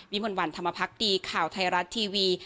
วิมวลวันธรรมพักษ์ดีข่าวไทยรัตน์ทีวี